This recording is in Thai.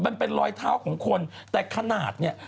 มันเป็นรอยเท้าของคนแต่ขนาดเนี่ย